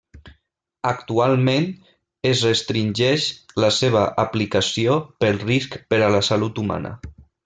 Actualment es restringeix la seva aplicació pel risc per a la salut humana.